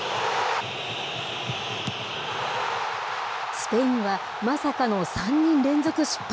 スペインは、まさかの３人連続失敗。